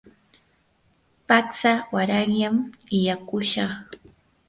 patsa warayllam illakushaq.